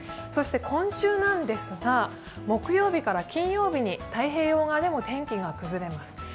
そして今週なんですが、木曜日から金曜日に太平洋側でも天気が崩れます。